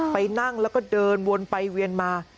ไปนั่งแล้วก็เดินวนไปเวียนมา